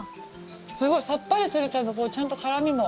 すごい、さっぱりするけどちゃんと辛味も。